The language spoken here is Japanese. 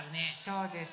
そうです。